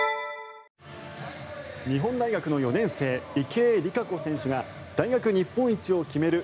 日本大学の４年生池江璃花子選手が大学日本一を決める